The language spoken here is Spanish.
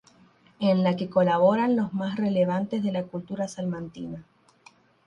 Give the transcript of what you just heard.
En la que colaboran los más relevantes de la cultura salmantina.